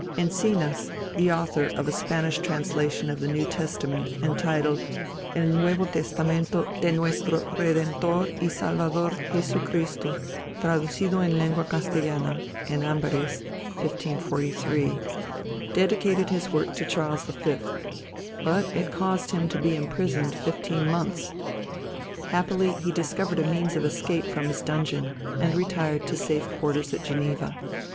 Enzinas, the author of a Spanish translation of the New Testament entitled El Nuevo Testamento de N. Redemptor y Salvador J. C. traduzido en lengua castellana (En Amberes, 1543, in 8), dedicated his work to Charles V. But it caused him to be imprisoned fifteen months. Happily he discovered a means of escape from his dungeon, and retired to safe quarters at Geneva.